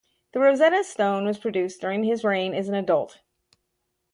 The Rosetta Stone was produced during his reign as an adult.